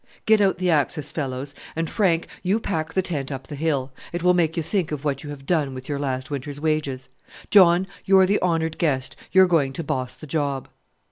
"Get out the axes, fellows; and, Frank, you pack the tent up the hill. It will make you think of what you have done with your last winter's wages. John, you're the honoured guest you're going to boss the job."